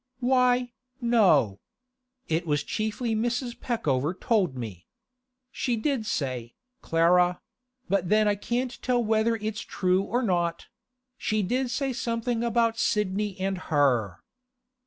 'Why, no. It was chiefly Mrs. Peckover told me. She did say, Clara—but then I can't tell whether it's true or not—she did say something about Sidney and her.